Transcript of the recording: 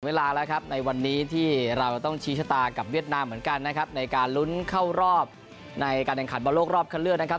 เวลาแล้วครับในวันนี้ที่เราจะต้องชี้ชะตากับเวียดนามเหมือนกันนะครับในการลุ้นเข้ารอบในการแข่งขันบอลโลกรอบคันเลือกนะครับ